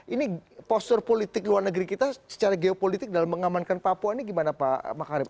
ini postur politik luar negeri kita secara geopolitik dalam mengamankan papua ini gimana pak makarim